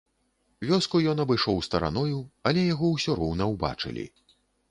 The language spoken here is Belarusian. Вёску ён абышоў стараною, але яго ўсё роўна ўбачылі.